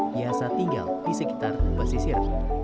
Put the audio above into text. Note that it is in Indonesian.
biasa tinggal di sekitar pesisir